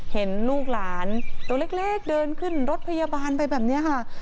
เห็นลูกหลานตัวเล็กเดินขึ้นรถพยาบาลไปแบบนี้ค่ะ